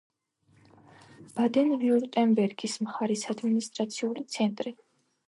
ბადენ-ვიურტემბერგის მხარის ადმინისტრაციული ცენტრი.